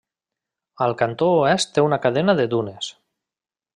Al cantó oest té una cadena de dunes.